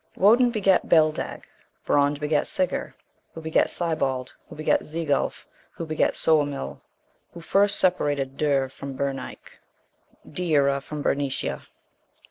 61. Woden begat Beldeg, Brond begat Siggar, who begat Sibald, who begat Zegulf, who begat Soemil, who first separated(1) Deur from Berneich (Deira from Bernicia.)